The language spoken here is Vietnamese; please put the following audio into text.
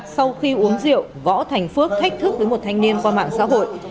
sau khi uống rượu võ thành phước thách thức với một thanh niên qua mạng xã hội